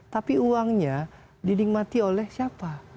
tapi uangnya dinikmati oleh siapa